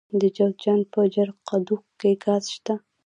د جوزجان په جرقدوق کې ګاز شته.